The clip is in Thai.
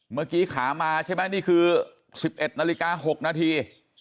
เมื่อกี้ขามาใช่ไหมนี่คือ๑๑นาฬิกา๖นาที